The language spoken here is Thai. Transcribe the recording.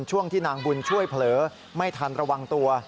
ช่วงที่นางบุญช่วยเผลอไม่ทันระวังตัว